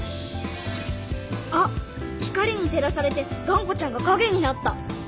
あっ光にてらされてがんこちゃんがかげになった。